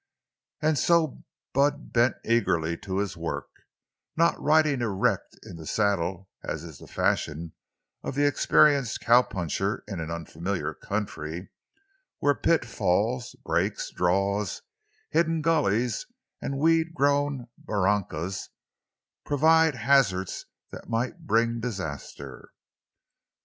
And so Bud bent eagerly to his work, not riding erect in the saddle as is the fashion of the experienced cow puncher in an unfamiliar country, where pitfalls, breaks, draws, hidden gullies, and weed grown barrancas provide hazards that might bring disaster.